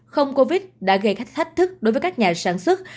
không covid đã gây các thách thức đối với các nhà sản xuất